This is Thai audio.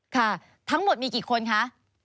ค่ะทั้งหมดมีกี่คนคะ